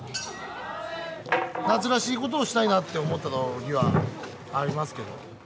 夏らしいことをしたいなって思った時はありますけど。